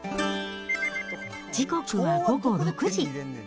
時刻は午後６時。